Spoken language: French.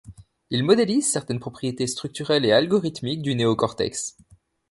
Il modélise certaines propriétés structurelles et algorithmiques du néocortex.